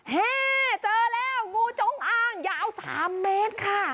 เจอแล้วงูจงอ้างยาว๓เมตรค่ะ